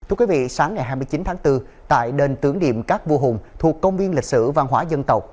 thưa quý vị sáng ngày hai mươi chín tháng bốn tại đền tưởng niệm các vua hùng thuộc công viên lịch sử văn hóa dân tộc